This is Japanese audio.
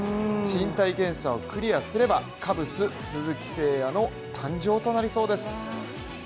身体検査をクリアすれば、カブス・鈴木誠也の誕生となりそうです。